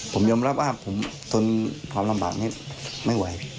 ผมยอมรับว่าผมทนความลำบากนี้ไม่ไหว